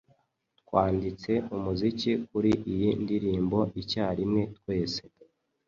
Twanditse umuziki kuri iyi ndirimbo icyarimwe twese